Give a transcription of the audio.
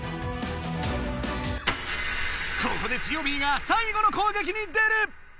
ここでジオビーが最後のこうげきに出る！